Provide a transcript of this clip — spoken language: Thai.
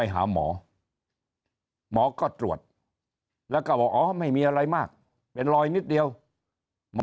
หาหมอหมอก็ตรวจแล้วก็บอกอ๋อไม่มีอะไรมากเป็นรอยนิดเดียวหมอ